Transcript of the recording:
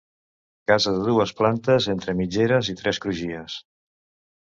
Casa de dues plantes entre mitgeres i tres crugies.